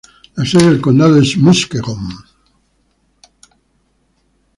La sede del condado es Muskegon.